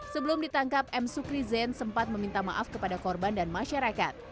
sebelum ditangkap m sukri zen sempat meminta maaf kepada korban dan masyarakat